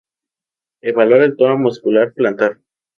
Evaluar el tono muscular plantar.